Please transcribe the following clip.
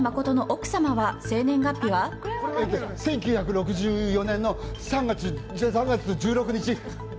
１９６４年の３月１６日。